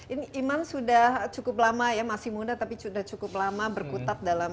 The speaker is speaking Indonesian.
ini iman sudah cukup lama ya masih muda tapi sudah cukup lama berkutat dalam